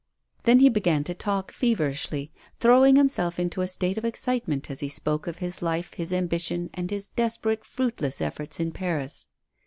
Then he began to talk feverishly, throwing himself into a state of excitement as he spoke of his life, his ambition, and his desperate, fruitless efforts in Paris.